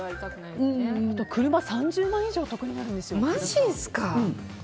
車３０万以上得になるんですよ。